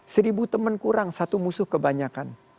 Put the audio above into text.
seribu teman kurang satu musuh kebanyakan